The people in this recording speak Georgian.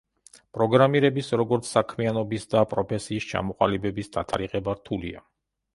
პროგრამირების როგორც საქმიანობის და პროფესიის ჩამოყალიბების დათარიღება რთულია.